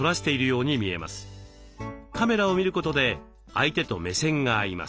カメラを見ることで相手と目線が合います。